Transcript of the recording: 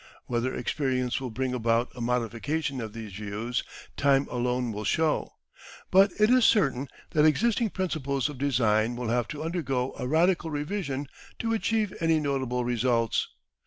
Whether experience will bring about a modification of these views time alone will show, but it is certain that existing principles of design will have to undergo a radical revision to achieve any notable results.